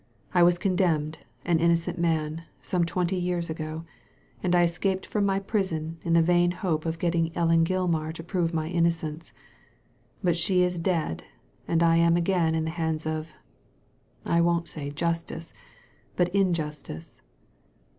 I was condemned, an innocent man, some twenty years ago, and I escaped from my prison in the vain hope of getting Ellen Gilmar to prove my innocence ; but she is dead, and I am again in the hands of — I won't say justice, but injustice."